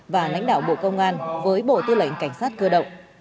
và lãnh đạo bộ công an với bộ tư lệnh cảnh sát cơ động